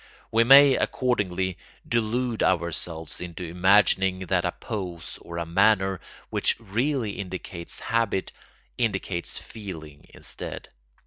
We may accordingly delude ourselves into imagining that a pose or a manner which really indicates habit indicates feeling instead.